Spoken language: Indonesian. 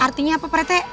artinya apa rete